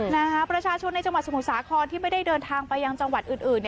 ประชาชนในจังหวัดสมุทรสาครที่ไม่ได้เดินทางไปยังจังหวัดอื่น